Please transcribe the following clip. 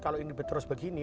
kalau ini terus begini